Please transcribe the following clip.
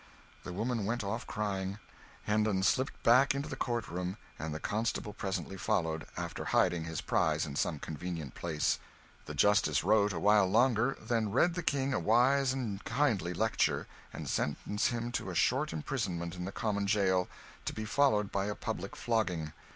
The woman went off crying: Hendon slipped back into the court room, and the constable presently followed, after hiding his prize in some convenient place. The justice wrote a while longer, then read the King a wise and kindly lecture, and sentenced him to a short imprisonment in the common jail, to be followed by a public flogging.